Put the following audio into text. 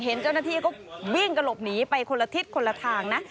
เห็นเจ้าหน้าที่ก็วิ่งกระหลบหนีไปคนละทิศคนละทางนะ